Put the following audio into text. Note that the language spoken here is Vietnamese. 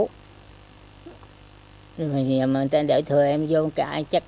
mình đưa cây rừng vào chặt mấy cây to đó chặt mấy cây nhỏ cây sâu xia gãy đổ